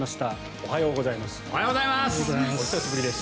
おはようございます。